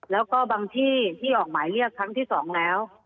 แล้วก็บางที่ที่ออกหมายเรียกครั้งที่๒แล้ว